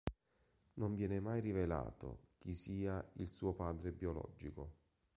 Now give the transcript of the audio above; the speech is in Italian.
Non viene mai rivelato chi sia il suo padre biologico.